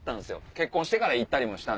結婚してから行ったりもして。